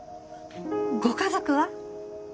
ご家族は？